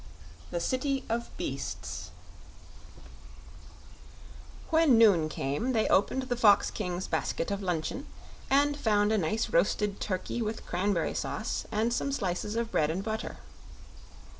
6. The City Of Beasts When noon came they opened the Fox King's basket of luncheon, and found a nice roasted turkey with cranberry sauce and some slices of bread and butter.